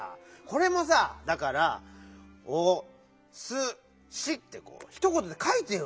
これもさだから「おすし」ってひとことでかいてよ！